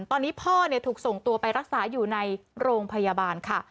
ตอนนี้พ่อถูกส่งตัวไปรักษาอยู่ในโรงพยาบาลค่ะ